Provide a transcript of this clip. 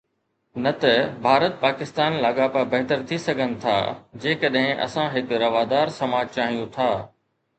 نه ته ڀارت پاڪستان لاڳاپا بهتر ٿي سگهن ٿا جيڪڏهن اسان هڪ روادار سماج چاهيون ٿا.